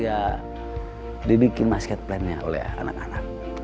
ya dibikin masket plan nya oleh anak anak